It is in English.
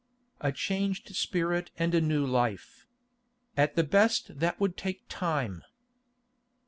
"A changed spirit and a new life. At the best that would take time."